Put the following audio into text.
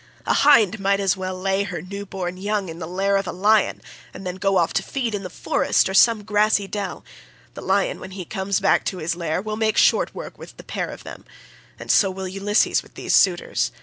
A hind might as well lay her new born young in the lair of a lion, and then go off to feed in the forest or in some grassy dell: the lion when he comes back to his lair will make short work with the pair of them—and so will Ulysses with these suitors.